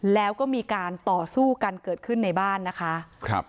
แล้วก็มีการต่อสู้กันเกิดขึ้นในบ้านนะคะครับ